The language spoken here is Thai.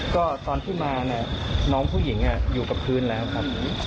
ก็ตอนที่มาน้องผู้หญิงอยู่กับพื้นแล้วครับ